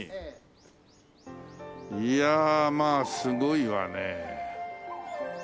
いやまあすごいわね。